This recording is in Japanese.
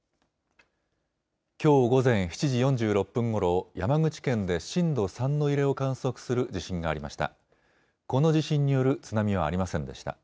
きょう午前７時４６分ごろ、山口県で震度３の揺れを観測する地震がありました。